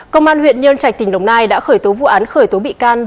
công an huyện nhân trạch tỉnh đồng nai đã khởi tố vụ án khởi tố bị can